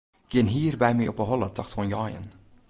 Gjin hier by my op 'e holle tocht oan jeien.